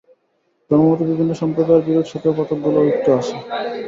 ধর্মমতে বিভিন্ন সম্প্রদায়ের বিরোধসত্ত্বেও কতকগুলি ঐক্য আছে।